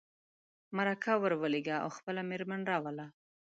مرکه ور ولېږه او خپله مېرمن راوله.